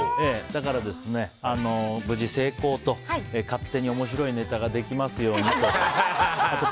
だから無事成功と勝手に面白いネタができますようにと。